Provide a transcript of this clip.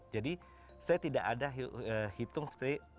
jadi saya tidak ada hitung seperti